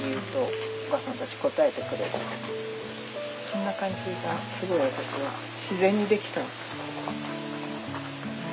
そんな感じがすごい私は自然にできた。